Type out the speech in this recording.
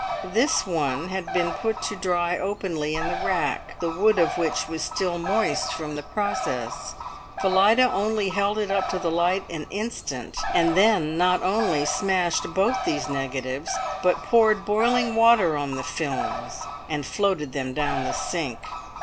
This one had been put to dry openly in the rack, the wood of which was still moist from the process. Phillida only held it up to the light an instant, and then not only smashed both these negatives, but poured boiling water on the films and floated them down the sink.